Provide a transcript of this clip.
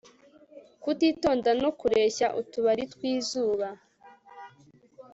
kutitonda no kureshya utubari twizuba